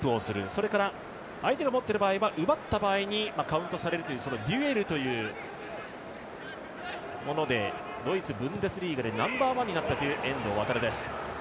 それから相手が持っている場合は奪った場合にカウントされるというデュエルというものでドイツブンデスリーガでナンバーワンになったという遠藤航です。